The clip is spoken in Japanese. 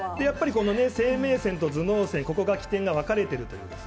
やっぱり生命線と頭脳線が分かれていると。